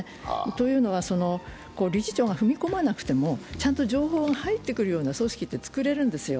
というのは、理事長が踏み込まなくてもちゃんと情報が入ってくるような組織って作れるんですよ。